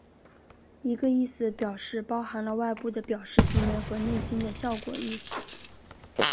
一个意思表示包含了外部的表示行为和内心的效果意思。